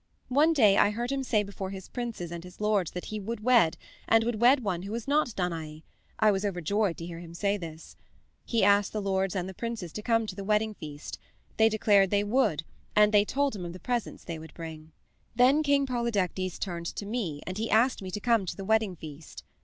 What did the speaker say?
One day I heard him say before his princes and his lords that he would wed, and would wed one who was not Danae, I was overjoyed to hear him say this. He asked the lords and the princes to come to the wedding feast; they declared they would, and they told him of the presents they would bring. "Then King Polydectes turned to me and he asked me to come to the wedding feast.